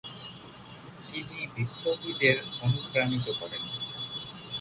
তিনি বিপ্লবীদের অনুপ্রাণিত করেন।